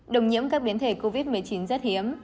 đồng nhiễm các biến thể covid một mươi chín rất hiếm